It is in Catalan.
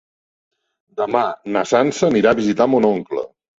Demà na Sança anirà a visitar mon oncle.